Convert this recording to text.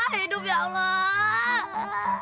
hidup ya allah